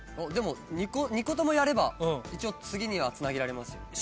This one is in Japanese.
でも２個ともやれば次にはつなげられますよ。